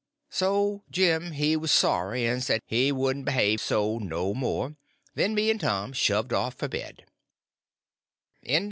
So Jim he was sorry, and said he wouldn't behave so no more, and then me and Tom shoved for bed.